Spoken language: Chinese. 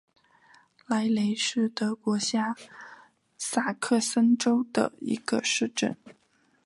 莱雷是德国下萨克森州的一个市镇。